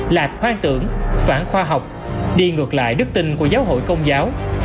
lạc hoang tưởng phản khoa học đi ngược lại đức tinh của giáo hội công giáo